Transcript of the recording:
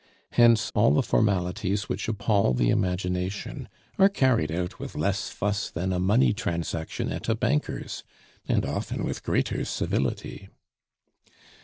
Hence all the formalities which appall the imagination are carried out with less fuss than a money transaction at a banker's, and often with greater civility.